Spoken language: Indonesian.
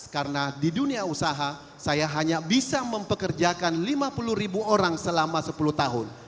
karena di dunia usaha saya hanya bisa mempekerjakan lima puluh ribu orang selama sepuluh tahun